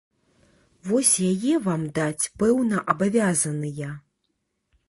Вось яе вам даць пэўна абавязаныя.